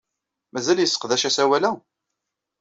Mazal yesseqdac asawal-a?